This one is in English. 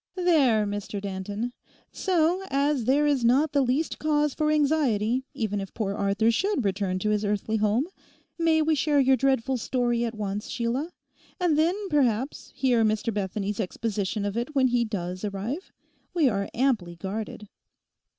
'There, Mr Danton. So as there is not the least cause for anxiety even if poor Arthur should return to his earthly home, may we share your dreadful story at once, Sheila; and then, perhaps, hear Mr Bethany's exposition of it when he does arrive? We are amply guarded.